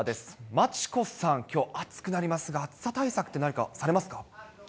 真知子さん、きょう、暑くなりますが、暑さ対策って何かされますか？